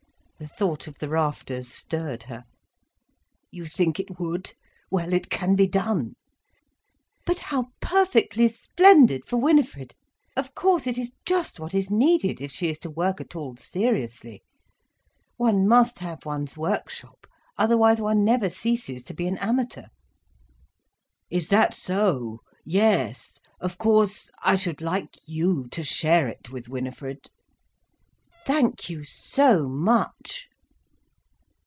The thought of the rafters stirred her. "You think it would? Well, it can be done." "But how perfectly splendid for Winifred! Of course, it is just what is needed, if she is to work at all seriously. One must have one's workshop, otherwise one never ceases to be an amateur." "Is that so? Yes. Of course, I should like you to share it with Winifred." "Thank you so much."